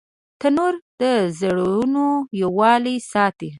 تنور د زړونو یووالی ساتي